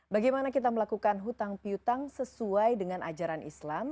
bagaimana kita melakukan hutang piutang sesuai dengan ajaran islam